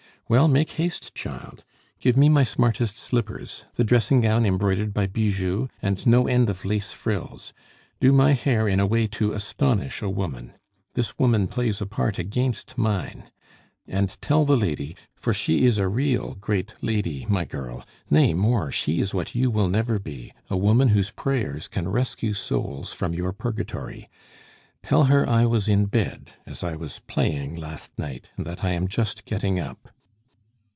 "Well, make haste, child. Give me my smartest slippers, the dressing gown embroidered by Bijou, and no end of lace frills. Do my hair in a way to astonish a woman. This woman plays a part against mine; and tell the lady for she is a real, great lady, my girl, nay, more, she is what you will never be, a woman whose prayers can rescue souls from your purgatory tell her I was in bed, as I was playing last night, and that I am just getting up."